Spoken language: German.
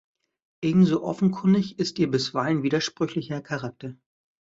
Ebenso offenkundig ist ihr bisweilen widersprüchlicher Charakter.